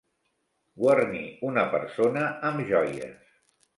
Guarnir una persona amb joies.